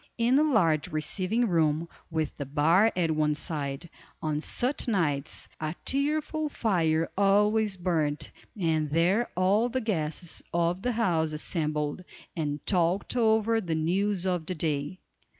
In the large receiving room (with the bar at one side), on such nights, a cheerful fire always burned, and there all the guests of the house assembled, and talked over the news of the day.